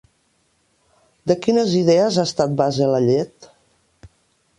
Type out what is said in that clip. De quines idees ha estat base la llet?